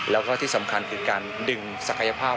แล้วก็ที่สำคัญคือการดึงศักยภาพ